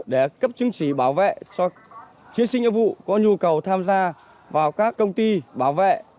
sáu để cấp chứng chỉ bảo vệ cho chiến sinh nhiệm vụ có nhu cầu tham gia vào các công ty bảo vệ